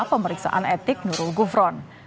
pemeriksaan etik nurul gufron